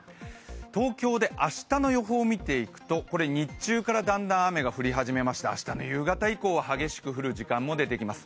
東京で明日の予報を見ていくと日中からだんだん雨が降り始めまして明日の夕方以降は激しく降る時間も出てきます